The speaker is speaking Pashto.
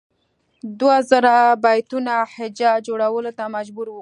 دوه زره بیتونو هجا جوړولو ته مجبور کړي.